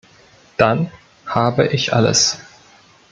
Dann habe ich alles.